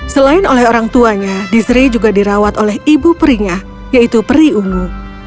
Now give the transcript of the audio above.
selain oleh orang tuanya disri juga dirawat oleh ibu perinya yaitu peri ungu